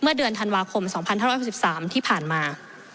เดือนธันวาคม๒๕๖๓ที่ผ่านมา